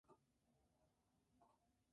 Tiene su sede en Colorado Springs, Colorado.